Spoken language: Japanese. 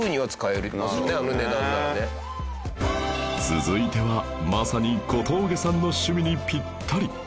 続いてはまさに小峠さんの趣味にぴったり